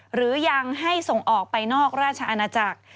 หรือยังให้ส่งออกไปนอกราชอาณาจักร